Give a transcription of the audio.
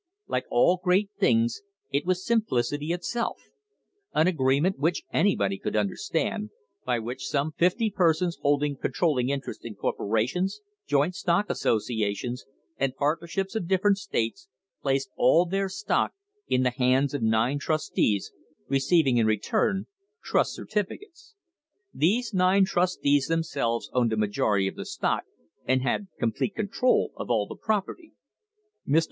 * Like all great things, it was simplicity itself an agreement which anybody could understand, by which some fifty persons holding controlling interests in corporations, joint stock associations, and partnerships of dif ferent states, placed all their stock in the hands of nine trus tees, receiving in return trust certificates. These nine trustees themselves owned a majority of the stock and had complete control of all the property. Mr.